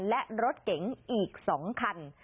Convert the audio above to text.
และรถเก๋งอีก๒คัน